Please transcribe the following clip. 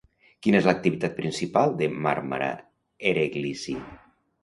Quina és l'activitat principal de Marmara Ereğlisi?